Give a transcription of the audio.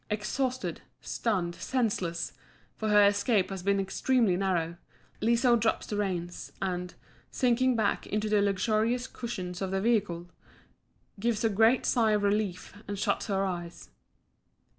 Exhausted, stunned, senseless for her escape has been extremely narrow Liso drops the reins, and, sinking back into the luxurious cushions of the vehicle, gives a great sigh of relief and shuts her eyes.